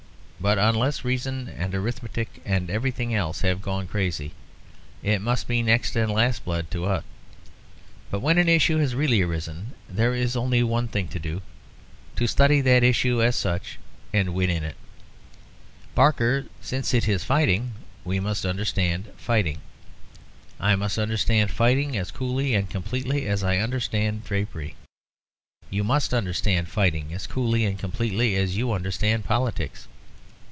But, unless reason and arithmetic and everything else have gone crazy, it must be next and last blood to us. But when an issue has really arisen, there is only one thing to do to study that issue as such and win in it. Barker, since it is fighting, we must understand fighting. I must understand fighting as coolly and completely as I understand drapery; you must understand fighting as coolly and completely as you understand politics.